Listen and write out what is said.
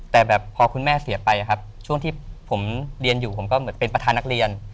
แต่แบบพอคุณแม่เสียไปครับช่วงที่ผมเรียนอยู่ผมก็เหมือนเป็นประธานนักเรียน